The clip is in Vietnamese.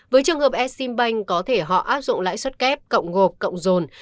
với trường hợp s simbanh có thể họ áp dụng lãi suất kép cộng gộp cộng dồn